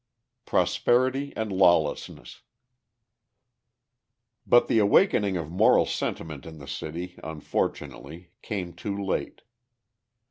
Prosperity and Lawlessness But the awakening of moral sentiment in the city, unfortunately, came too late.